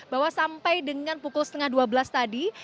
bahwa sampai dengan pukul setengah dua belas tadi